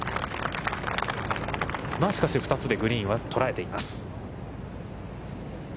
しかし２つでグリーンは捉えています。